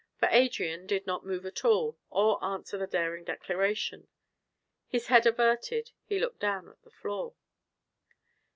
For Adrian did not move at all, or answer the daring declaration. His head averted, he looked down at the floor.